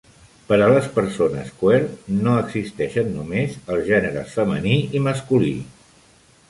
Per a les persones "queer", no existeixen només els gèneres femení i masculí.